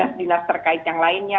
tapi dinas dinas terkait yang lainnya